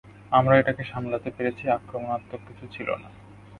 আমরা এটাকে সামলাতে পেরেছি, আক্রমণাত্মক কিছু ছিল না।